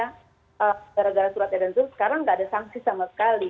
gara gara surat edaran itu sekarang nggak ada sanksi sama sekali